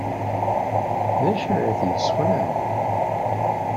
D acu ay t-yesxelɛen?